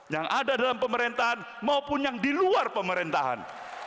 yang ada dalam pemerintahan maupun yang di luar pemerintahan